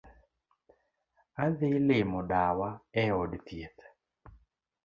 Adhii limo dawa e od thieth